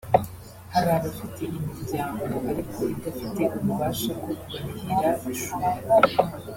hari abafite imiryango ariko idafite ububasha bwo kubarihira ishuri